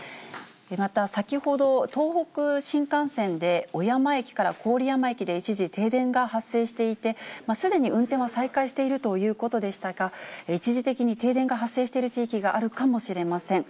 また、先ほど、東北新幹線で小山駅から郡山駅で一時停電が発生していて、すでに運転は再開しているということでしたが、一時的に停電が発生している地域があるかもしれません。